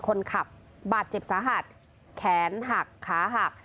คนขับบาดเจ็บสาหัสแขนหักขาหัก